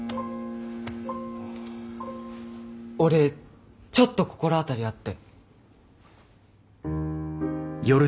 俺ちょっと心当たりあって。